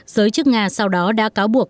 giới chức nga sau đó đã cáo buộc